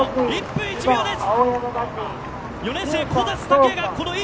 １分１０秒です。